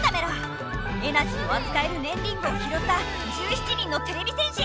エナジーをあつかえるねんリングをひろった１７人のてれび戦士。